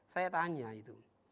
saya tanya itu